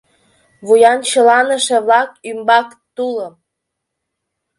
— Вуянчыланыше-влак ӱмбак тулым!..